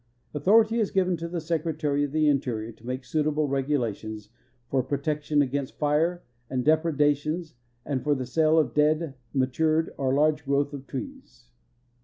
Authority is given to the Secretar}^ of the Interior to make suitable regulations for protection against fire and dei)redations and for the sale of dead, matured, or large growth of trees.